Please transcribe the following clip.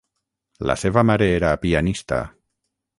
La seva mare era pianista.